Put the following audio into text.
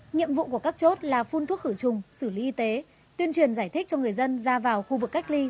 nhiệm vụ của các chốt là phun thuốc khử trùng xử lý y tế tuyên truyền giải thích cho người dân ra vào khu vực cách ly